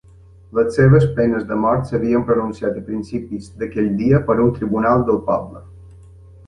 Les seves penes de mort s'havien pronunciat a principis d'aquell dia per un tribunal del poble.